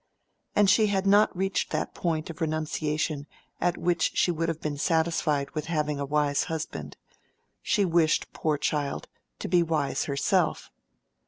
And she had not reached that point of renunciation at which she would have been satisfied with having a wise husband: she wished, poor child, to be wise herself.